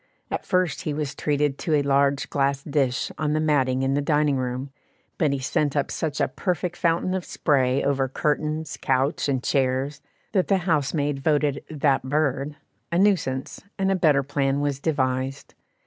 At first he was treated to a large glass dish on the matting in the dining room, but he sent up such a perfect fountain of spray over curtains, couch, and chairs, that the housemaid voted "that bird" a nuisance, and a better plan was devised.